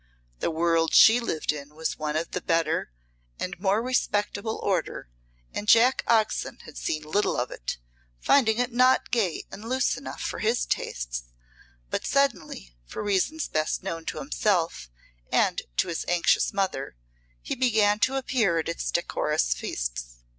The world she lived in was of the better and more respectable order, and Jack Oxon had seen little of it, finding it not gay and loose enough for his tastes, but suddenly, for reasons best known to himself and to his anxious mother, he began to appear at its decorous feasts.